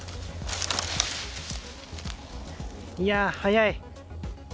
いやぁ、速い。